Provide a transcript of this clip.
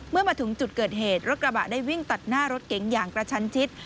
เมื่อมาถึงจุดเกิดเหตุรถกระบะได้วิ่งตัดหน้ารถเก๋งอย่างกระชันชิด